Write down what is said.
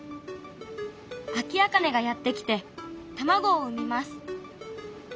アキアカネがやって来て卵を産みます。